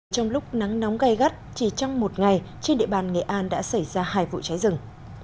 trong lúc nắng nóng gai gắt chỉ trong một ngày trên địa bàn nghệ an đã xảy ra hai vụ cháy rừng